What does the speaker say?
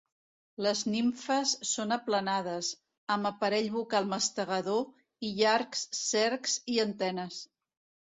Les nimfes són aplanades, amb aparell bucal mastegador i llargs cercs i antenes.